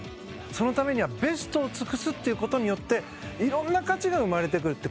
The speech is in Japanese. そのためにはベストを尽くすという事によって色んな価値が生まれてくるって。